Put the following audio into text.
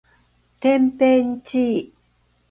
てんぺんちい